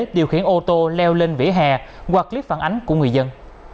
điều khiển ô tô leo lên vỉa hè hoặc clip phản ánh của người dân